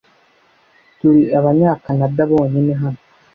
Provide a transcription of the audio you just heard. Turi abanyakanada bonyine hano .